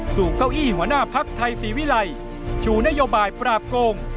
เก้าอี้หัวหน้าภักดิ์ไทยศรีวิลัยชูนโยบายปราบโกง